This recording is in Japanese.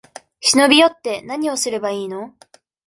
忍び寄って、なにをすればいいの？